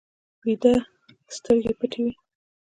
ویده سترګې پټې وي